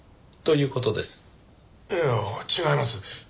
いや違います。